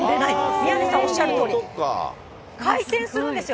宮根さんおっしゃるとおり、回転するんですよ。